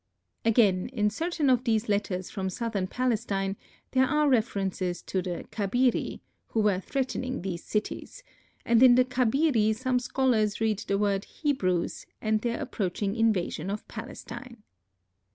Again, in certain of these letters from southern Palestine, there are references to the "Khabiri" who were threatening these cities, and in the Khabiri some scholars read the word Hebrews and their approaching invasion of Palestine.